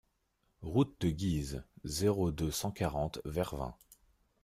Route de Guise, zéro deux, cent quarante Vervins